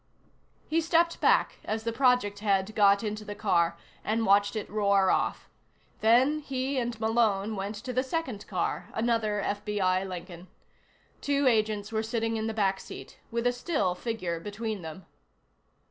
He stepped back as the project head got into the car, and watched it roar off. Then he and Malone went to the second car, another FBI Lincoln. Two agents were sitting in the back seat, with a still figure between them.